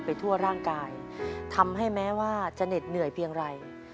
ทั่วร่างกายทำให้แม้ว่าจะเหน็ดเหนื่อยเพียงไร